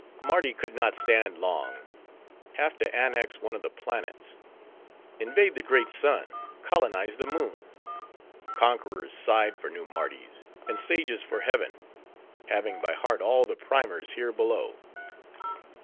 Mardi could not stand long; have to annex one of the planets; invade the great sun; colonize the moon;—conquerors sighed for new Mardis; and sages for heaven— having by heart all the primers here below.